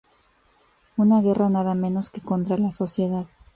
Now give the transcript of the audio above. una guerra nada menos que contra la sociedad.